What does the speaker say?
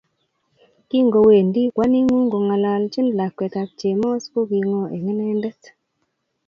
Kingowendi kwaningung kongalchin lakwetab Chemos ko kingo eng inendet